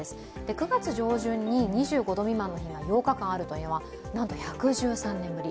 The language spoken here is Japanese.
９月上旬に２５度未満の日が８日間あるのはなんと１１３年ぶり。